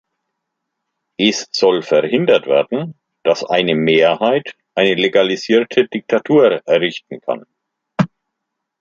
Es soll verhindert werden, dass eine Mehrheit eine legalisierte Diktatur errichten kann.